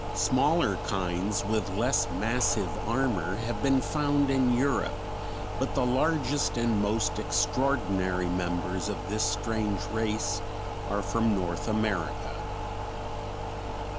Smaller kinds with less massive armor have been found in Europe but the largest and most extraordinary members of this strange race are from North America.